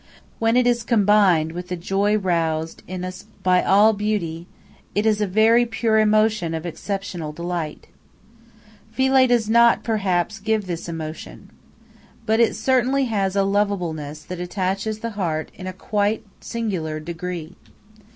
When it is combined with the joy roused in us by all beauty, it is a very pure emotion of exceptional delight. Philae does not, perhaps, give this emotion. But it certainly has a lovableness that attaches the heart in a quite singular degree.